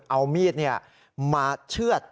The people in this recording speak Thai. เอามีดมาเชื่อด